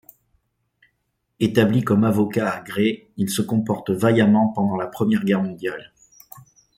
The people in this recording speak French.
Établi comme avocat à Gray, il se comporte vaillamment pendant la Première Guerre mondiale.